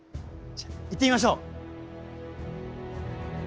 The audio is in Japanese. じゃあ行ってみましょう。